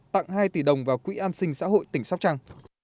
tặng hai tỷ đồng vào quỹ an sinh xã hội tỉnh sóc trăng